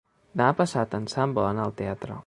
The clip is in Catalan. Demà passat en Sam vol anar al teatre.